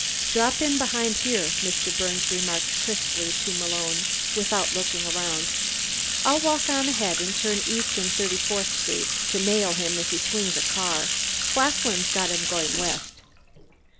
"Drop in behind here," Mr. Birnes remarked crisply to Malone, without looking around. "I'll walk on ahead and turn east in Thirty fourth Street to nail him if he swings a car. Claflin's got him going west."